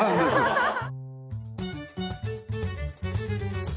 アハハハ。